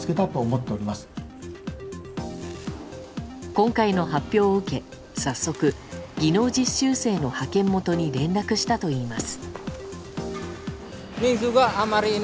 今回の発表を受け早速、技能実習生の派遣元に連絡したといいます。